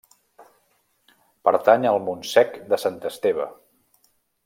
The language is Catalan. Pertany al Montsec de Sant Esteve.